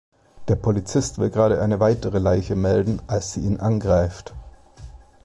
Der Polizist will gerade eine weitere Leiche melden, als sie ihn angreift.